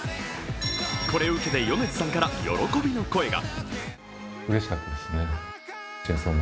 これを受けて、米津さんから喜びの声が。